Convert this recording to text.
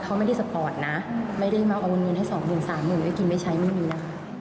กับเราการสัพว์ทคุณไม่ได้มาเอาเงินให้๒หมื่น๓หมื่นกินไม่ใช้ไม่มีนะ